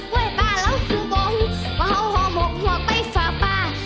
เว้ยป่าแล้วพูดบอกว่าหัวหัวหมอกหัวก็ไปฝากป่า